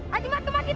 haji mat kemangkitan